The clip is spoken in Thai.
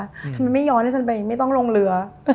ทำไมไม่ย้อนให้ฉันไปไม่ต้องลงเรือ